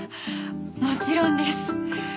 もちろんです。